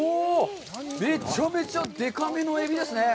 めちゃめちゃでかめのエビですね。